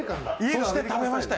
そして食べましたよ。